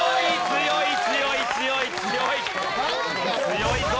強い！